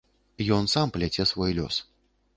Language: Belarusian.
Ён сам пляце свой лёс.